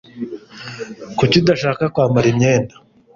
Kuki udashaka kwambara umwenda?